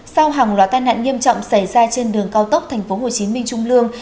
sau hàng loạt tai nạn nghiêm trọng xảy ra trên đường cao tốc tp hcm trung lương